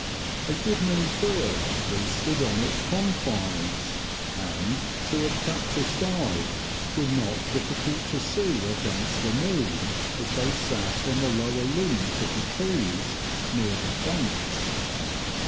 A good many birds roosted on its confines, and, to a practised eye, were not difficult to see against the moon as they sat on the lower limbs of the trees, near the trunks.